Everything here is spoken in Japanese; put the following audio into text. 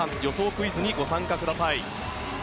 クイズにご参加ください。